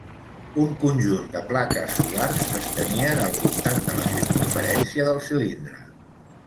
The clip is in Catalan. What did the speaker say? Un conjunt de plaques solars s'estenien al voltant de la circumferència del cilindre.